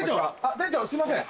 店長すいません。